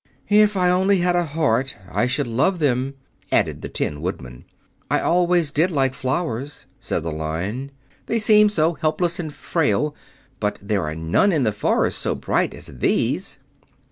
"If I only had a heart, I should love them," added the Tin Woodman. "I always did like flowers," said the Lion. "They seem so helpless and frail. But there are none in the forest so bright as these."